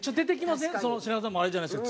品川さんもあれじゃないですか。